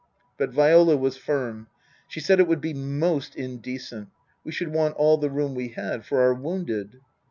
But Viola was firm. She said it would be most in decent. We should want all the room we had for our wounded.